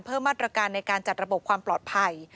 มาตรการในการจัดระบบความปลอดภัย